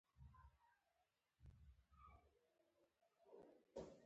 دینګ شیاپونګ دا خطر پر ځان ومانه.